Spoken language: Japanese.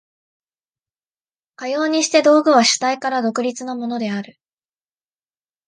かようにして道具は主体から独立なものである。